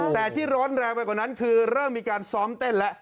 แต่ที่ร้อนแรงไปกว่านั้นคือเริ่มมีการซ้อมเต้นแล้ว